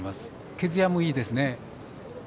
毛づやもいいですね。